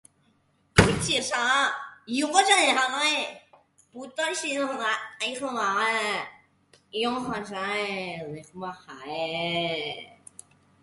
大細目，懸低耳